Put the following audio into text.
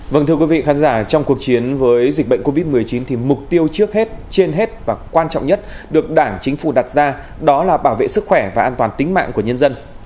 vâng thưa quý vị khán giả trong cuộc chiến với dịch bệnh covid một mươi chín thì mục tiêu trước hết trên hết và quan trọng nhất được đảng chính phủ đặt ra đó là bảo vệ sức khỏe và an toàn tính mạng của nhân dân